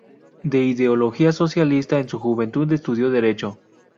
De ideología socialista, en su juventud estudió derecho.